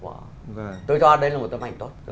ở trong vỏ